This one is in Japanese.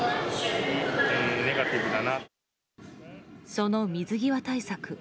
その水際対策。